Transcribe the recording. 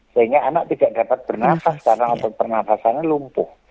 sehingga anak tidak dapat bernafas karena pernafasannya lumpuh